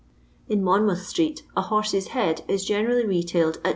In Monmouth street a * horse's head ' is generally retailed at 2#.